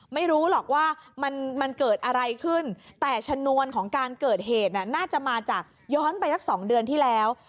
ไม่รู้หรอกว่ามันเกิดอะไรขึ้นแต่ชนวนของการเกิดเหตุน่าจะมาจากย้อนไปสัก๒เดือนที่แล้ว